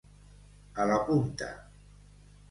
A la punta.